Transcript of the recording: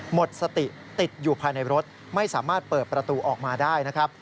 หมดสติติดอยู่ภายในรถไม่สามารถเปิดประตูออกมาได้นะครับ